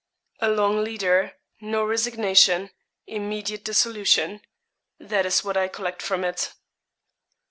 'A long leader no resignation immediate dissolution. That is what I collect from it.'